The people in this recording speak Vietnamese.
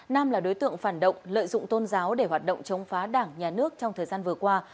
nam là đối tượng phản động lợi dụng tôn giáo để hoạt động chống phá đảng nhà nước trong thời gian vừa qua